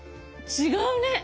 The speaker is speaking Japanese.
違うね。